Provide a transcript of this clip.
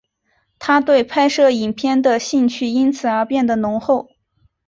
他对拍摄影片的兴趣因此而变得浓厚。